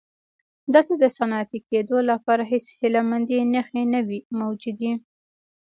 دلته د صنعتي کېدو لپاره هېڅ هیله مندۍ نښې نه وې موجودې.